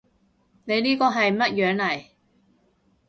你呢個係咩樣嚟？